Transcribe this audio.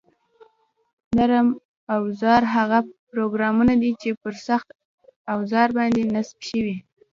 نرم اوزار هغه پروګرامونه دي چې پر سخت اوزار باندې نصب شوي